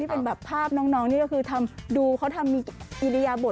เป็นแบบภาพน้องนี่ก็คือทำดูเขาทำมีอิริยาบท